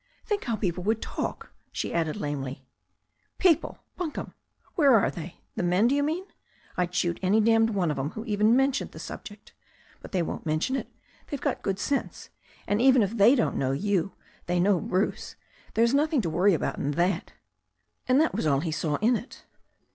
"Think how people would talk," she added lamely. "People ! Bunkum ! Where are they ? The men, do you mean? I'd shoot any damned one of 'em who ever men tioned the subject. But they won't mention it. They've got some sense. And even if they don't know you they know Bruce. There's nothing to worry about in that" And that was all he saw in it.